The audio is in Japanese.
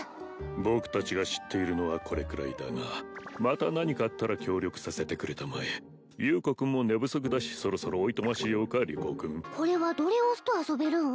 僕達が知っているのはこれくらいだがまた何かあったら協力させてくれたまえ優子君も寝不足だしそろそろおいとましようかリコ君これはどれ押すと遊べるん？